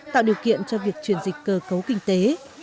tạo điều kiện cho việc chuyển dịch cơ cấu kinh tế